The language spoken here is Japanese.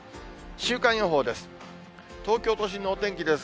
週間予報です。